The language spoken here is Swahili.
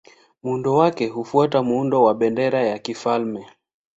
Muundo wake hufuata muundo wa bendera ya kifalme.